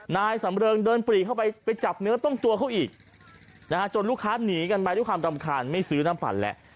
นายสำเริงเดินปรีเข้าไปไปจับเนื้อต้องตัวเขาอีกนะฮะจนลูกค้าหนีกันไปด้วยความรำคาญไม่ซื้อน้ำฝันแล้ว